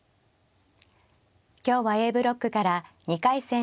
今日はＡブロックから２回戦